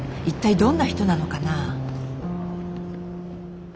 一体どんな人なのかな？